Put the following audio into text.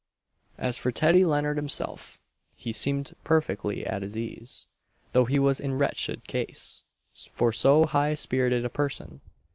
As for Teddy Leonard himself, he seemed perfectly at his ease, though he was in wretched case for so high spirited a person!